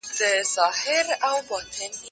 زه بايد وخت ونیسم!.